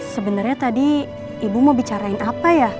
sebenarnya tadi ibu mau bicarain apa ya